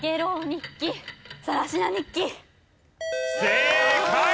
正解！